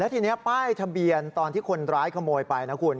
ทีนี้ป้ายทะเบียนตอนที่คนร้ายขโมยไปนะคุณ